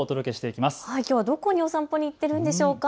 きょうはどこに散歩に行っているんでしょうか。